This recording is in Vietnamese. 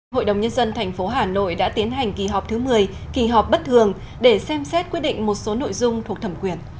hội đồng nhân dân tp hà nội đã tiến hành kỳ họp thứ một mươi kỳ họp bất thường để xem xét quyết định một số nội dung thuộc thẩm quyền